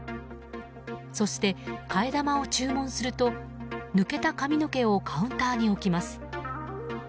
そして、替え玉を注文すると抜けた髪の毛をカウンターに置きます。